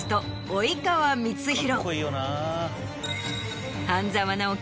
及川光博。